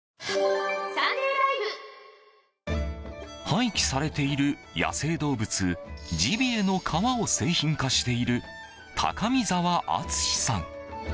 廃棄されている野生動物ジビエの革を製品化している高見澤篤さん。